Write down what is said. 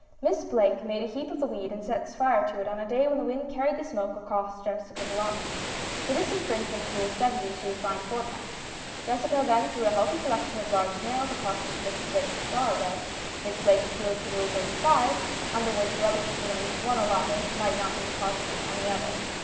Miss Blake made a heap of the weed and set fire to it on a day when the wind carried the smoke across Jessica's allotment. For this infringement of Rule 70 she was fined fourpence. Jessica then threw a healthy collection of large snails across into Miss Blake's flower beds. Miss Blake appealed to Rule 35, under which rubbish from one allot ment might not be deposited on the other.